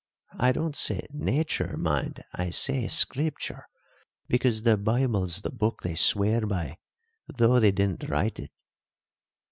I don't say Nature, mind, I say, Scripture, because the Bible's the book they swear by, though they didn't write it."